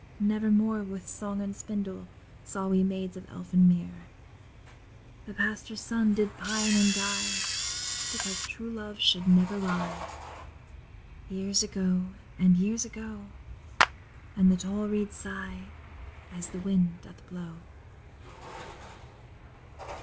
Never more with song and spindle Saw we Maids of Elfin Mere, The Pastor's Son did pine and die; Because true love should never lie. Years ago, and years ago; And the tall reeds sigh as the wind doth blow.